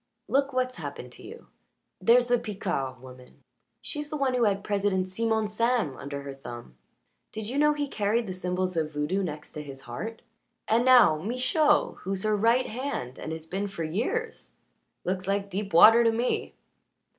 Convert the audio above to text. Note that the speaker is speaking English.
Look what's happened to you. There's the Picard woman she's the one who had President Simon Sam under her thumb. Did you know he carried the symbols of voodoo next his heart? And now Michaud, who's her right hand and has been for years. Looks like deep water to me."